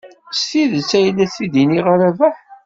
S tidet ay la t-id-nniɣ a Rabaḥ.